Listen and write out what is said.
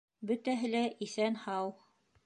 Бөтәһе лә иҫән-һау